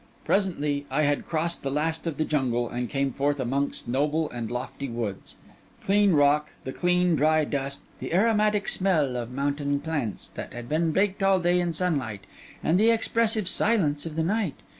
Presently, I had crossed the last of the jungle, and come forth amongst noble and lofty woods, clean rock, the clean, dry dust, the aromatic smell of mountain plants that had been baked all day in sunlight, and the expressive silence of the night.